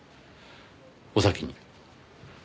お先に。